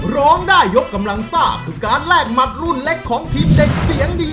ร้องได้ยกกำลังซ่าคือการแลกหมัดรุ่นเล็กของทีมเด็กเสียงดี